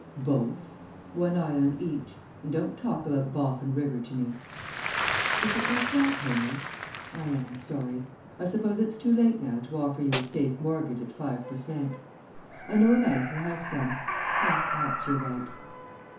"Both. One eye on each. And don't talk about Boffin River to me." "Is it like that, Henry? I am sorry. I suppose it's too late now to offer you a safe mortgage at five per cent? I know a man who has some. Well, perhaps you're right."